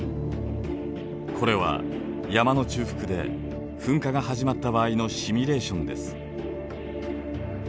これは山の中腹で噴火が始まった場合のシミュレーションです。